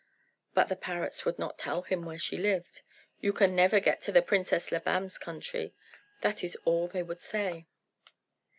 But the parrots would not tell him where she lived. "You can never get to the Princess Labam's country." That is all they would say.